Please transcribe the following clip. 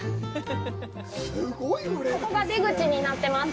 ここが出口になってます。